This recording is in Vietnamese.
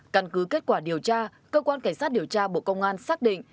căn cứ kết quả điều tra cơ quan cảnh sát điều tra bộ công an xác định